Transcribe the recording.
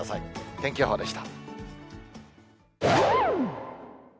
天気予報でした。